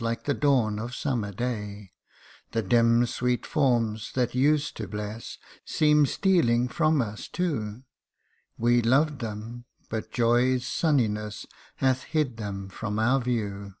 Like the dawn of summer day : The dim sweet forms that used to bless, Seem stealing from us too ; We loved them but joy's sunniness Hath hid fhem from our view